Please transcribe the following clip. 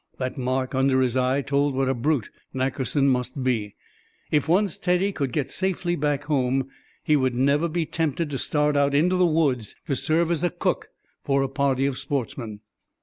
That mark under his eye told what a brute Nackerson must be. If once Teddy could get safely back home, he would never be tempted to start out into the woods to serve as a cook for a party of sportsmen.